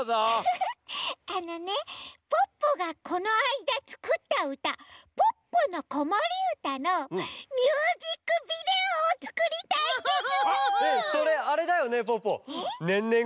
あのねポッポがこのあいだつくったうた「ポッポのこもりうた」のミュージックビデオをつくりたいんです！